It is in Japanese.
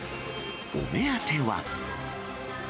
お目当ては。